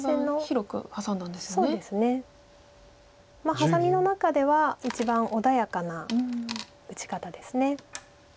ハサミの中では一番穏やかな打ち方です。